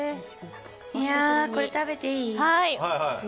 これ、食べていい？